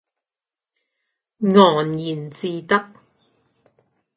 昂然自得